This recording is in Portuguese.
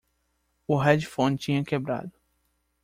O headphone tinha quebrado